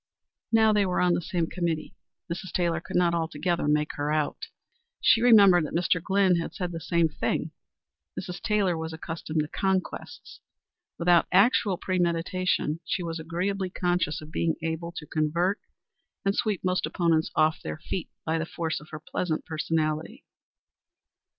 Now that they were on the same committee, Mrs. Taylor could not altogether make her out. She remembered that Mr. Glynn had said the same thing. Mrs. Taylor was accustomed to conquests. Without actual premeditation, she was agreeably conscious of being able to convert and sweep most opponents off their feet by the force of her pleasant personality.